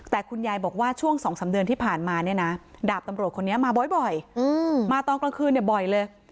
แต่คุณยายบอกว่าช่วง๒๓เดือนที่ผ่านมาเนี่ยนะดาบตำรวจคนนี้มาบ่อยมาตอนกลางคืนเนี่ยบ่อยเลย